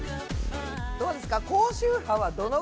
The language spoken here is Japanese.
どうですか？